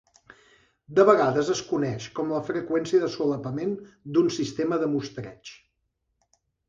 De vegades es coneix com la freqüència de solapament d'un sistema de mostreig.